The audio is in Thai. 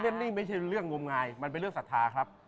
นี่ไม่ใช่เรื่องงมงายมันเป็นเรื่องศรัทธาครับ